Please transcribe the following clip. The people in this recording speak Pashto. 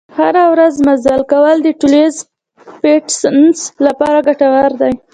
هره ورځ مزل کول د ټولیز فټنس لپاره ګټور دي.